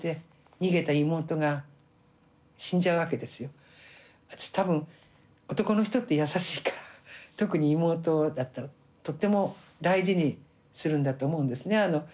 その方はやっぱり多分男の人って優しいから特に妹だったらとっても大事にするんだと思うんですね。